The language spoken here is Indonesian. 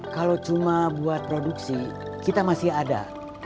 kalau cuma buat produksi kita masih ada